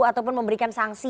ataupun memberikan sangsi